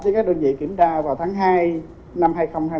với các đơn vị kiểm tra vào tháng hai năm hai nghìn hai mươi bốn